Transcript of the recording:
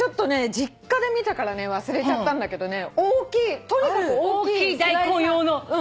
実家で見たからね忘れちゃったんだけどね大きいとにかく大きいスライサー。